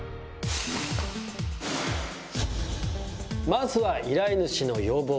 まずは。